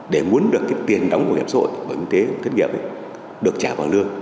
để muốn được cái tiền đóng bảo hiểm xã hội bảo hiểm xã hội thiết nghiệp được trả bằng lương